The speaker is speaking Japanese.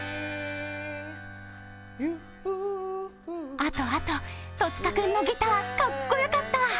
あとあと、戸塚君のギター、かっこよかった。